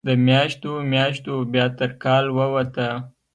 د میاشتو، میاشتو بیا تر کال ووته